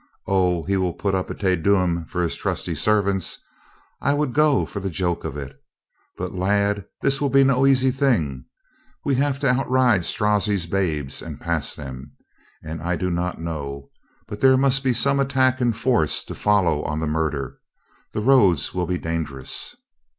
O, he will put up a Te Deum for his trusty servants. I would go for the joke of it But lad, this will be no easy thing. We have to outride Strozzi's babes and pass them. And I do not know — but there must be some attack in force to follow on the murder. The roads will be dangerous."